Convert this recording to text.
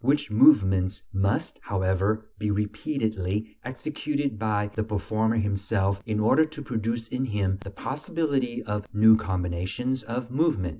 which movements must, however, be repeatedly executed by the performer himself in order to produce in him the possibility of new combinations of movement.